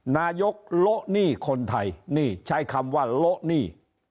นายกโละหนี้คนไทยนี่ใช้คำว่าโละหนี้